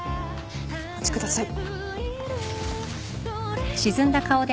お待ちください。